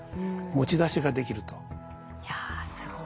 いやすごい。